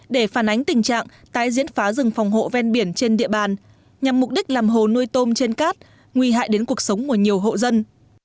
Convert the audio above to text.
để phản ánh tình trạng tái diễn phá rừng phòng hộ ven biển trên địa bàn nhằm mục đích làm hồ nuôi tôm trên cát nguy hại đến cuộc sống của nhiều hộ dân